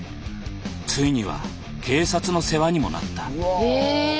ついには警察の世話にもなった。